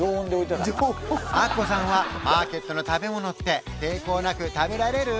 アッコさんはマーケットの食べ物って抵抗なく食べられる？